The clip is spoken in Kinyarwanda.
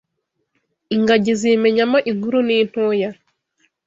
ingagi zimenyamo inkuru n’intoya